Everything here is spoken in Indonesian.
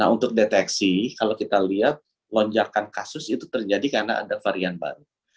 untuk deteksi kalau kita lihat lonjakan kasus itu terjadi karena ada varian baru